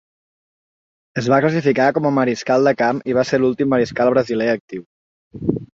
Es va classificar com a mariscal de camp i va ser l'últim mariscal brasiler actiu.